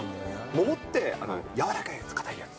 桃って、軟らかいやつ、硬いやつ？